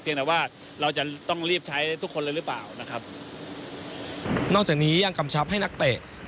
แต่ว่าเราจะต้องรีบใช้ทุกคนเลยหรือเปล่านะครับนอกจากนี้ยังกำชับให้นักเตะ